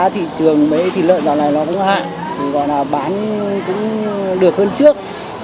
thị trường mấy thịt lợn dạo này nó cũng hại còn bán cũng được hơn trước